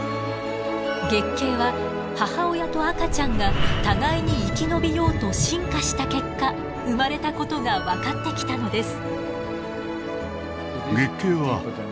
月経は母親と赤ちゃんが互いに生き延びようと進化した結果生まれたことが分かってきたのです。